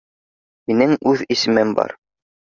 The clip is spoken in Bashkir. — Минең үҙ исемем бар.